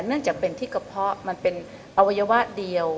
เนื่องจากเป็นที่กระเพาะมันเป็นอวัยวะเดียว